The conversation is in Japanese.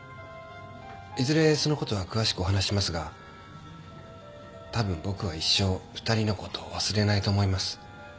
いずれその事は詳しくお話ししますが多分僕は一生２人の事を忘れないと思います。